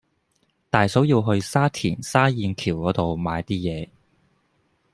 大嫂要去沙田沙燕橋嗰度買啲嘢